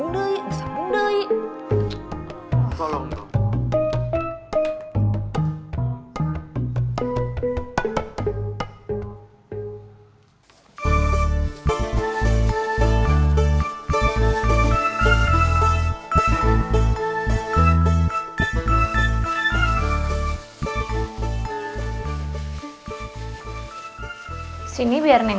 tidak ada pilihan lain